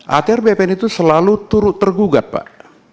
atr bpn itu selalu turut tergugat pak